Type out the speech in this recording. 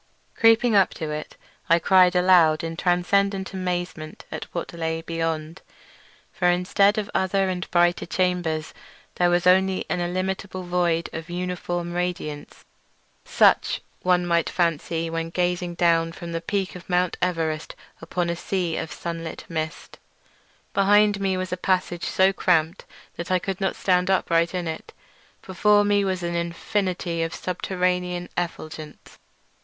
Creeping up to it, I cried aloud in transcendent amazement at what lay beyond; for instead of other and brighter chambers there was only an illimitable void of uniform radiance, such as one might fancy when gazing down from the peak of Mount Everest upon a sea of sunlit mist. Behind me was a passage so cramped that I could not stand upright in it; before me was an infinity of subterranean effulgence.